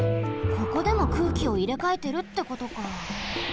ここでも空気をいれかえてるってことか。